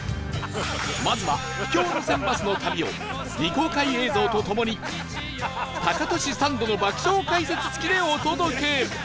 まずは秘境路線バスの旅を未公開映像とともにタカトシサンドの爆笑解説付きでお届け